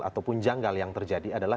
ataupun janggal yang terjadi adalah